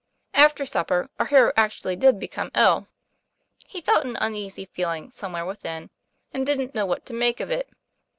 After supper, our hero actually did become ill. He felt an uneasy feeling somewhere within, and didn't know what to make of it.